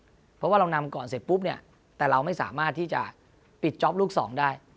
เพราะว่าเรานำก่อนเสร็จปุ๊บเนี่ยแต่เราไม่สามารถที่จะปิดจ๊อปลูกสองได้